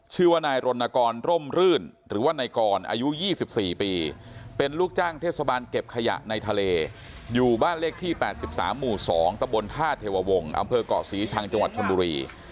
ชื่อว่านายรณกรร่มรื่นหรือว่านายกรอายุ๒๔ปีเป็นลูกจ้างเทศบาลเก็บขยะในทะเลอยู่บ้านเลขที่๘๓หมู่๒ตะบนท่าเทววงศ์อำเภอกเกาะศรีชังจังหวัดชนบุรี